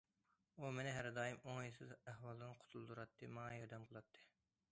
ئۇ مېنى ھەر دائىم ئوڭايسىز ئەھۋالدىن قۇتۇلدۇراتتى، ماڭا ياردەم قىلاتتى.